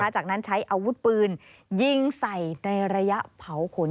จากนั้นใช้อาวุธปืนยิงใส่ในระยะเผาขน